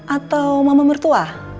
atau mama mertua